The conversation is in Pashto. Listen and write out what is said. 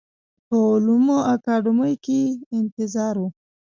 په علومو اکاډمۍ کې یې انتظار و.